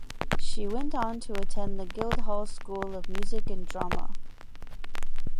She went on to attend the Guildhall School of Music and Drama.